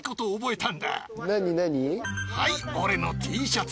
はい俺のＴシャツ。